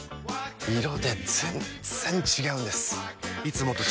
色で全然違うんです！